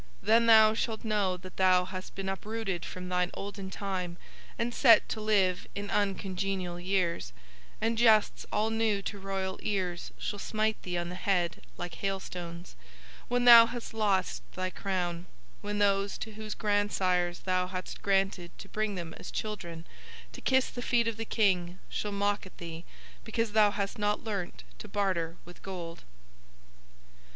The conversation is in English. Then thou shalt know that thou hast been uprooted from thine olden time and set to live in uncongenial years, and jests all new to royal ears shall smite thee on the head like hailstones, when thou hast lost thy crown, when those to whose grandsires thou hadst granted to bring them as children to kiss the feet of the King shall mock at thee because thou hast not learnt to barter with gold.